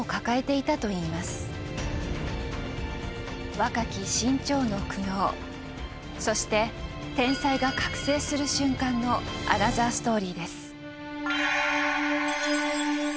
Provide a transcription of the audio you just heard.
若き志ん朝の苦悩そして天才が覚醒する瞬間のアナザーストーリーです。